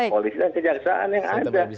polisi dan kejaksaan yang ada